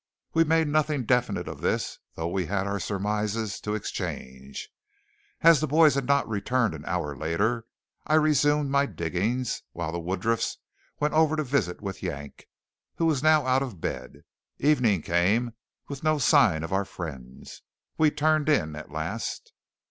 We made nothing definite of this, though we had our surmises to exchange. As the boys had not returned an hour later, I resumed my digging while the Woodruffs went over to visit with Yank, who was now out of bed. Evening came, with no sign of our friends. We turned in at last.